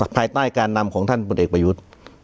ภายใต้การนำของท่านบนเอกประยุทธ์